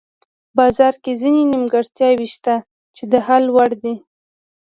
بازار کې ځینې نیمګړتیاوې شته چې د حل وړ دي.